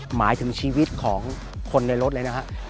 หมายถึงชีวิตของคนในรถเลยนะฮะ